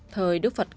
thời đức phật câu